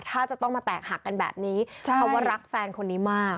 ถ้าจะต้องมาแตกหักกันแบบนี้เพราะว่ารักแฟนคนนี้มาก